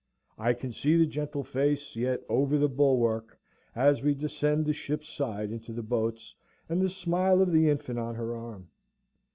I can see the gentle face yet over the bulwark, as we descend the ship's side into the boats, and the smile of the infant on her arm.